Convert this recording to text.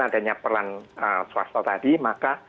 adanya peran swasta tadi maka